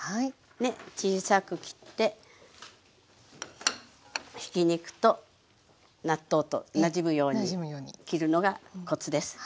ね小さく切ってひき肉と納豆となじむように切るのがコツです。